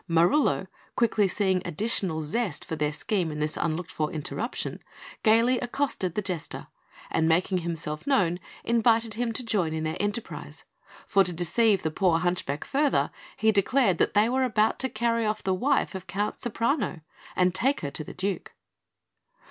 Marullo, quickly seeing additional zest for their scheme in this unlooked for interruption, gaily accosted the Jester, and making himself known, invited him to join in their enterprise; and to deceive the poor hunchback further he declared that they were about to carry off the wife of Count Ceprano, and take her to the Duke.